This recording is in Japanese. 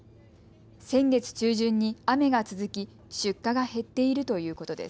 先月中旬に雨が続き出荷が減っているということです。